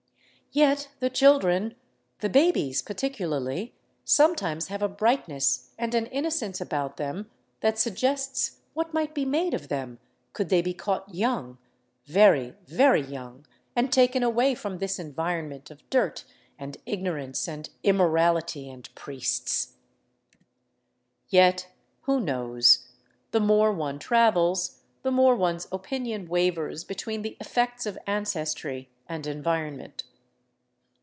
Yet the children, the babies particularly, sometimes have a brightness and an innocence about them that suggests what might be made of them could they be caught young, very, very young, and taken away from this environment of dirt and ignorance and immorality and priests. THE ROUTE OF THE CONQUISTADORES Yet who knows ? The more one travels, the more one's opinion wavers between the effects of ancestry and environment.